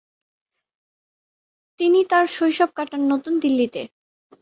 তিনি তার শৈশব কাটান নতুন দিল্লিতে।